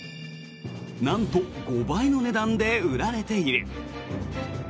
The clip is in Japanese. なんと５倍の値段で売られている。